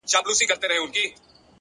نظم د بریالیتوب خاموش انجن دی’